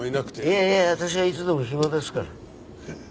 いやいや私はいつでも暇ですから。